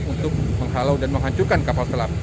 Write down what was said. untuk menghalau dan menghancurkan kapal selam